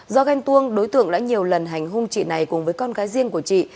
do ghen tuông đối tượng đã nhiều lần hành hung chị này cùng với con gái riêng của chị